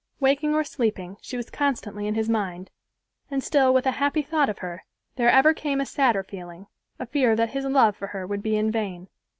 Waking or sleeping, she was constantly in his mind, and still with a happy thought of her there ever came a sadder feeling, a fear that his love for her would be in vain.